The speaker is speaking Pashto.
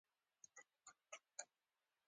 لاندې جملو ته دې هر زده کوونکی پراختیا ورکړي.